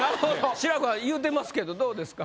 志らくはん言うてますけどどうですか？